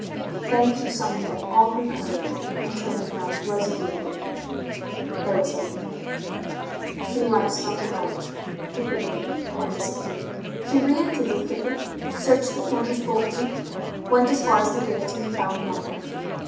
Then she summoned up all her courage, and turned round resolutely. There was no one there. She glanced on the ground. The figure had disappeared. She re entered the thicket, searched the corners boldly, went as far as the gate, and found nothing.